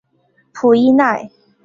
普伊奈。